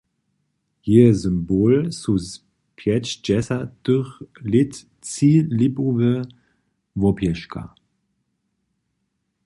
Jeje symbol su z pjećdźesatych lět tři lipowe łopješka.